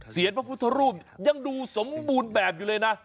เสียงพระพุทธรูปยังดูสมบูรณ์แบบเลยนะ